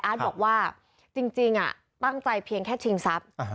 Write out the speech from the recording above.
บอกว่าจริงตั้งใจเพียงแค่ชิงทรัพย์